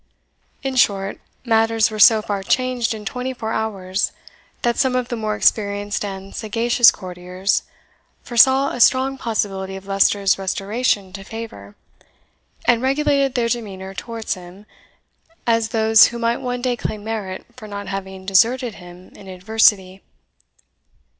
In short, matters were so far changed in twenty four hours that some of the more experienced and sagacious courtiers foresaw a strong possibility of Leicester's restoration to favour, and regulated their demeanour towards him, as those who might one day claim merit for not having deserted him in adversity.